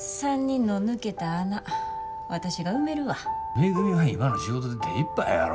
めぐみは今の仕事で手いっぱいやろ。